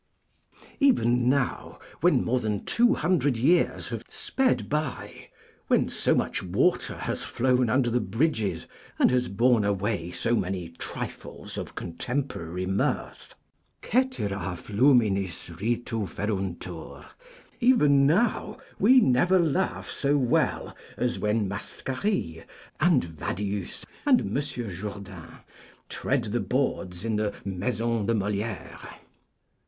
Even now, when more than two hundred years have sped by, when so much water has flowed under the bridges and has borne away so many trifles of contemporary mirth (cetera fluminis ritu feruntur), even now we never laugh so well as when Mascarille and Vadius and M. Jourdain tread the boards in the Maison de Moliére.